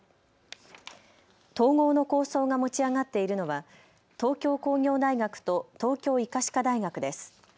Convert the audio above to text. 統合の構想が持ち上がっているのは東京工業大学と東京医科歯科大学です。